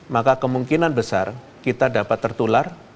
maka kemungkinan besar kita dapat tertular